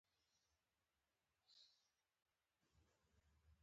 یو ښه اداکار د خلکو زړونه لمسوي.